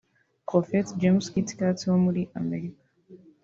Prophet James Kithcart wo muri Amerika